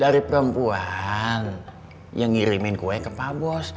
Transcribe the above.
dari perempuan yang ngirimin kue ke pak bos